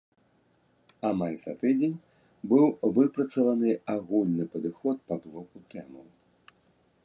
Амаль за тыдзень быў выпрацаваны агульны падыход па блоку тэмаў.